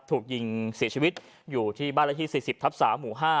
ถูกยิงเสียชีวิตอยู่ที่บ้านละที่๔๐ทับ๓หมู่๕